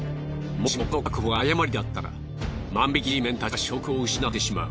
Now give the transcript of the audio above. もしもこの確保が誤りだったら万引きＧメンたちは職を失ってしまう。